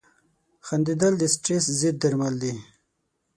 • خندېدل د سټرېس ضد درمل دي.